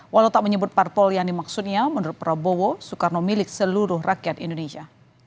walau tak menyebut parpol yang dimaksudnya menurut prabowo soekarno milik seluruh rakyat indonesia